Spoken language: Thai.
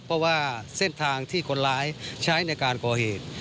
เพราะว่าเส้นทางที่คนร้ายใช้ในการก่อเหตุ